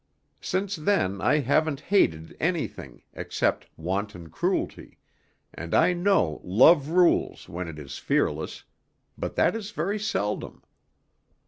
Since then I haven't hated anything, except wanton cruelty, and I know love rules when it is fearless, but that is very seldom.